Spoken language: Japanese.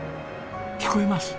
聞こえます。